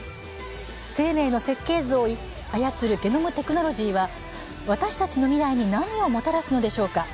生命の設計図を操るゲノムテクノロジーは私たちの未来に何をもたらすのでしょうか？